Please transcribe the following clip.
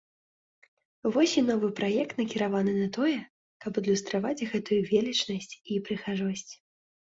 Вось і новы праект накіраваны на тое, каб адлюстраваць гэту велічнасць і прыгажосць.